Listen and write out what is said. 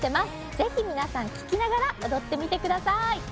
ぜひ皆さん聴きながら踊ってみてください